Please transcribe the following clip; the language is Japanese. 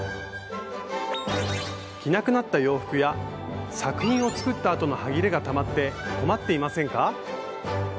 着なくなった洋服や作品を作ったあとのはぎれがたまって困っていませんか？